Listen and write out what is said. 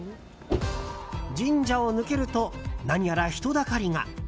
神社を抜けると何やら人だかりが。